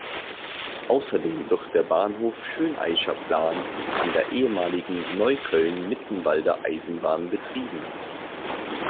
Außerdem wird der Bahnhof Schöneicher Plan an der ehemaligen Neukölln-Mittenwalder Eisenbahn betrieben.